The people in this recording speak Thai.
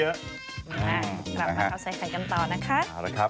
เข้าข้าวใส่ไข่กันต่อนะคะ